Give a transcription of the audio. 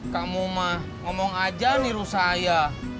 kamu mah ngomong aja niru saya